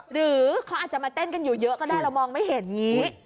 หรือเขาอาจจะมาเต้นกันอยู่เยอะก็ได้เรามองไม่เห็นอย่างนี้